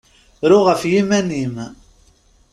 Ru ɣef yiman-im!